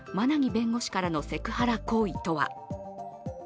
弁護士からのセクハラ行為とは。